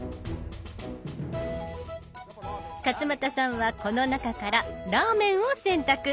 勝俣さんはこの中から「ラーメン」を選択。